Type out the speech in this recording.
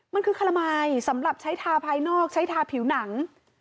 มันคือขละมายสำหรับใช้ทาภายนอกใช้ทาผิวหนัง